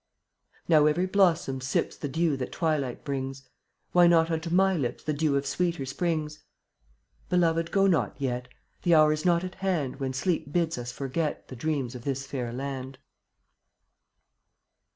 48 Now every blossom sips The dew that twilight brings; Why not unto my lips The dew of sweeter springs? Beloved, go not yet; The hour is not at hand When sleep bids us forget The dreams of this fair land.